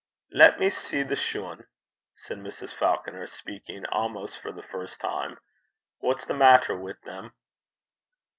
'Lat me see the shune,' said Mrs. Falconer, speaking almost for the first time. 'What's the maitter wi' them?'